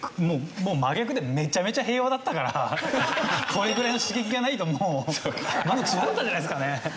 もう真逆でめちゃめちゃ平和だったからこれぐらいの刺激がないともう満足しなかったんじゃないですかね？